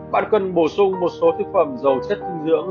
bạn cần bổ sung một số thực phẩm dầu chất dinh dưỡng